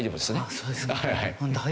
そうですか。